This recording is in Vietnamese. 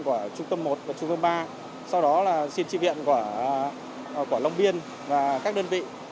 của trung tâm một và trung tâm ba sau đó là xin tri viện của long biên và các đơn vị